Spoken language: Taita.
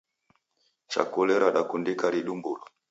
Chakule radakundika ridumbulo.